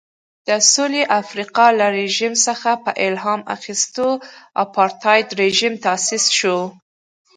د سوېلي افریقا له رژیم څخه په الهام اخیستو اپارټایډ رژیم تاسیس شو.